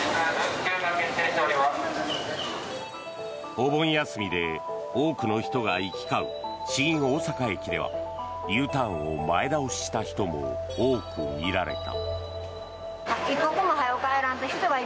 お盆休みで多くの人が行き交う新大阪駅ではＵターンを前倒しした人も多く見られた。